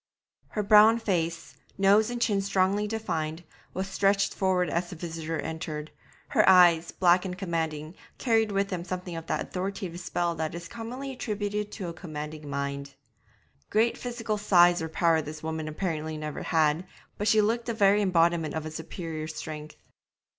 Her brown face nose and chin strongly defined was stretched forward as the visitor entered; her eyes, black and commanding, carried with them something of that authoritative spell that is commonly attributed to a commanding mind. Great physical size or power this woman apparently had never had, but she looked the very embodiment of a superior strength.